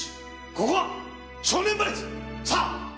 ここが正念場です！さあ！